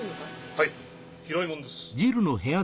はい拾いものです。